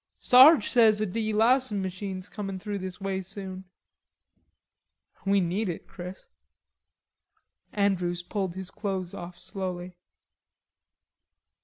"Sarge says a delousin' machine's comin' through this way soon." "We need it, Chris." Andrews pulled his clothes off slowly.